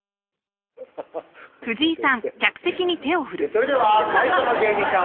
それでは最初の芸人さん